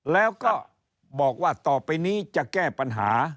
แล้วก็บอกว่าต่อไปนี้จะแก้ปัญหา